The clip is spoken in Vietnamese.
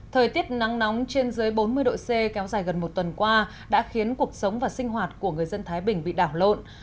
thời tiết nắng nóng trên dưới bốn mươi độ c kéo dài gần một tuần qua đã khiến cuộc sống và sinh hoạt của người dân thái bình bị đảo lộn